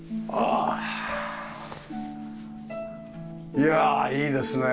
いやあいいですねえ。